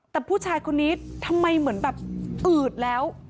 แต่ผู้ชายคนนี้ทำไมเหมือนแบบอืดแล้ว